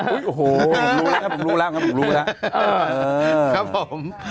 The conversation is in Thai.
อุ้ยโอ้โหผมรู้แล้วครับผมรู้แล้วครับ